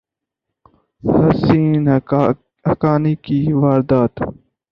حسین حقانی کی واردات